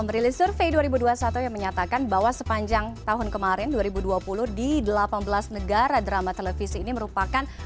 merilis survei dua ribu dua puluh satu yang menyatakan bahwa sepanjang tahun kemarin dua ribu dua puluh di delapan belas negara drama televisi ini merupakan